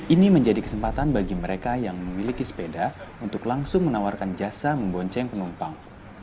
ini menjadi kesempatan bagi mereka yang memiliki sepeda untuk langsung menawarkan jasa membonceng penumpang